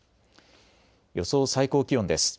予想最高気温です。